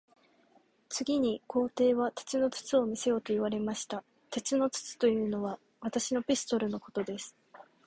次に皇帝は、鉄の筒を見せよと言われました。鉄の筒というのは、私のピストルのことです。